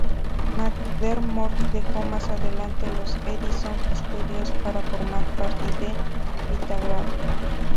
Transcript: McDermott dejó más adelante los Edison Studios para formar parte de Vitagraph.